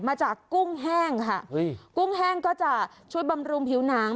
กุ้งแห้งค่ะเฮ้ยกุ้งแห้งก็จะช่วยบำรุงผิวหนัง